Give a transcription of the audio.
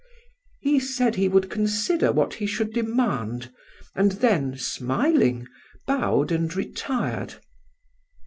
He said he would consider what he should demand, and then, smiling, bowed and retired.